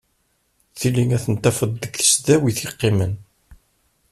Tili ad ten-tafeḍ deg tesdawit i qqimen.